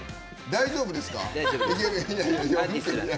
大丈夫ですか？